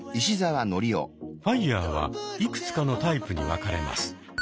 ＦＩＲＥはいくつかのタイプに分かれます。